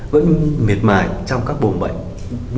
vẫn miệt mài trong các bồn bệnh